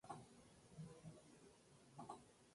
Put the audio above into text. Fue miembro del "Grupo Z".